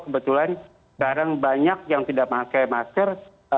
kebetulan sekarang banyak yang tidak pakai masker